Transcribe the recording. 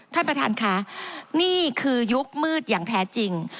ท่านประธานค่ะนี่คือยุคมืดอย่างแท้จริง